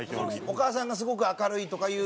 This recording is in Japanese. お母さんがすごく明るいとかいう。